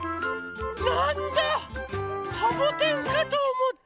なんだサボテンかとおもった。